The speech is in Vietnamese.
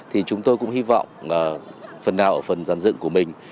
thì chúng tôi cũng hy vọng phần nào ở phần giàn dựng của mình